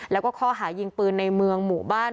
แล้วก็ข้อหายิงปืนในเมืองหมู่บ้าน